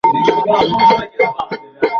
মুখ শুকিয়ে এতটুকু হয়ে গেছে।